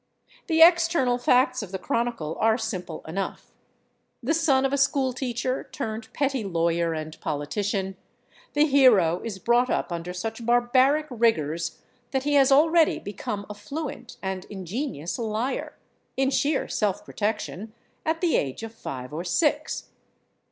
The external facts of the chronicle are simple enough. The son of a school teacher turned petty lawyer and politician, the hero is brought up under such barbaric rigors that he has already become a fluent and ingenious liar, in sheer self protection, at the age of five or six.